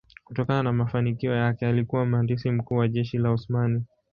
Kutokana na mafanikio yake alikuwa mhandisi mkuu wa jeshi la Osmani.